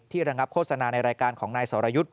ระงับโฆษณาในรายการของนายสรยุทธ์